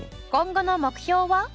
今後の目標は？